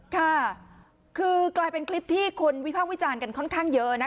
ค่ะคือกลายเป็นคลิปที่คนวิพากษ์วิจารณ์กันค่อนข้างเยอะนะคะ